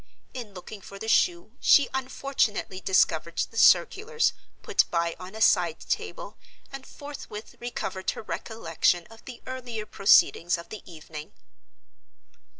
In looking for the shoe, she unfortunately discovered the circulars, put by on a side table, and forthwith recovered her recollection of the earlier proceedings of the evening.